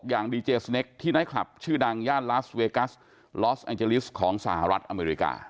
อย่างดีเจสเนคที่ไนท์คลับชื่อดังย่านลาสเวกัสลอสแองเจลิสของสหรัฐอเมริกา